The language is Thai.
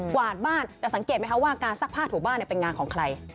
วาดบ้านแต่สังเกตไหมคะว่าการซักผ้าถูบ้านเป็นงานของใคร